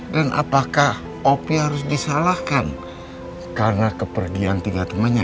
dan apakah opi harus disalahkan karena kepergian tiga temannya